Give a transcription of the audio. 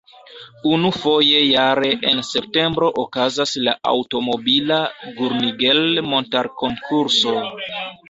Unu foje jare en septembro okazas la aŭtomobila Gurnigel-Montarkonkurso.